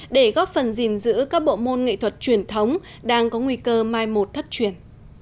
để góp phần gìn giữ các bộ môn nghệ thuật truyền thống đang có nguy cơ mai một thất truyền